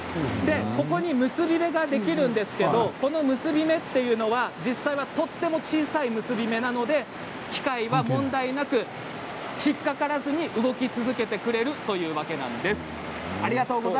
結び目ができるんですがこの結び目というのは実際はとても小さい結び目なので機械の問題なく引っ掛からずに動き続けてくれるというわけなんです。